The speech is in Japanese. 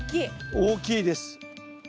大きいです。